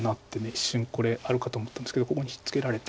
一瞬これあるかと思ったんですけどここに引っつけられて。